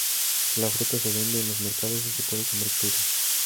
La fruta se vende en los mercados y se puede comer cruda.